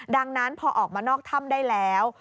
ดังนั้นพอออกมานอกถ้ำได้แล้ว